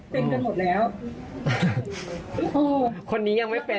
พวกนี้ยังไม่เป็น